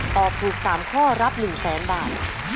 ตอบถูก๓ข้อรับ๑๐๐๐๐๐บาท